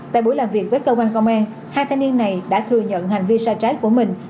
tại buổi làm việc với cơ quan công an hai thanh niên này đã thừa nhận hành vi sai trái của mình